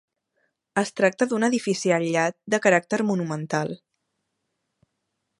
Es tracta d'un edifici aïllat de caràcter monumental.